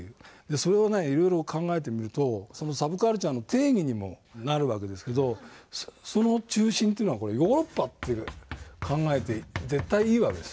それをいろいろ考えてみるとサブカルチャーの定義にもなるわけですけどその中心というのがヨーロッパと考えて絶対いいわけです。